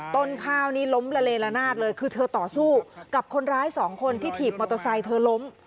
ต้นข้าวนี้ล้มละเลละนาดเลยคือเธอต่อสู้กับคนร้ายสองคนที่ถีบมอเตอร์ไซค์เธอล้ม